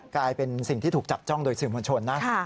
กลายเป็นสิ่งที่ถูกจับจ้องโดยสื่อมวลชนนะ